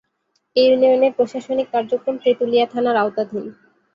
এ ইউনিয়নের প্রশাসনিক কার্যক্রম তেতুলিয়া থানার আওতাধীন।